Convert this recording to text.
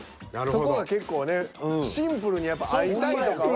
そこが結構ねシンプルにやっぱ会いたいとかは。